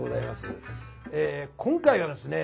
今回はですね